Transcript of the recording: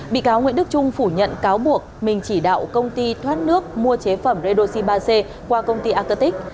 bị cáo nguyễn đức trung phủ nhận cáo buộc mình chỉ đạo công ty thoát nước mua chế phẩm redoxi ba c qua công ty acatic